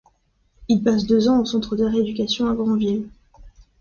Il passe deux ans au centre de rééducation à Granville.